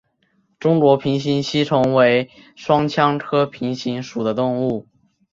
中国平形吸虫为双腔科平形属的动物。